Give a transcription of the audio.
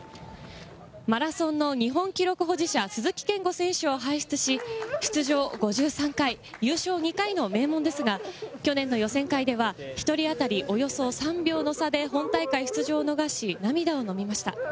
マラソンの日本記録保持者、すずきけんご選手を輩出し、出場５３回、優勝２回の名門ですが、去年の予選会では、１人当たりおよそ３秒の差で、本大会出場を逃し、涙をのみました。